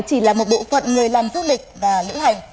chỉ là một bộ phận người làm du lịch và lữ hành